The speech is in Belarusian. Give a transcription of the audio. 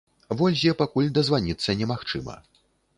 Вользе пакуль дазваніцца немагчыма.